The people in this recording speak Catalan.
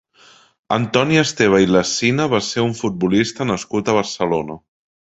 Antoni Esteve i Lecina va ser un futbolista nascut a Barcelona.